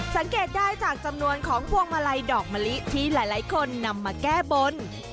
สังเกตได้จากจำนวนของพวงมาลัยดอกมะลิที่หลายคนนำมาแก้บน